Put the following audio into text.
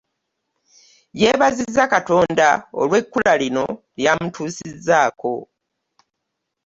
Yeebazizza Katonda olw'ekkula lino ly'amutuusizzaako.